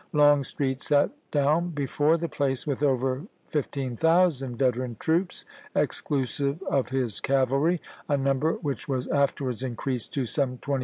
Long street sat down before the place with over 15,000 veteran troops, exclusive of his cavalry, a number which was afterwards increased to some 23,000.